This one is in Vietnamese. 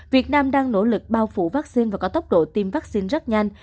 việt nam đang nỗ lực bao phủ vaccine và có tốc độ tiêm vaccine rất nhanh